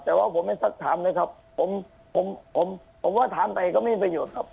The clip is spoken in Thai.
แต่ว่าผมไม่สักถามเลยครับผมผมว่าถามไปก็ไม่มีประโยชน์ครับ